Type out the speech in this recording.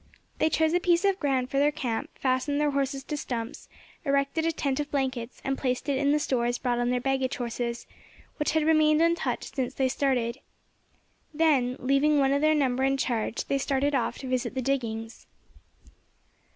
They chose a piece of ground for their camp, fastened their horses to stumps, erected a tent of blankets, and placed in it the stores brought on their baggage horses, which had remained untouched since they started. Then, leaving one of their number in charge, they started off to visit the diggings.